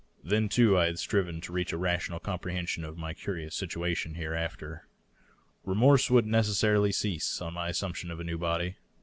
Then, too, I had striven to reach a rational comprehension of my curious situation hereafter. Re morse would necessarily cease, on my assumption of a new body.